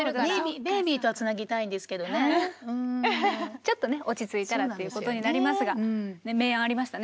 ちょっとね落ち着いたらということになりますが名案ありましたね。